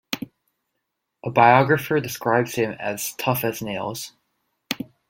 A biographer describes him as "tough as nails.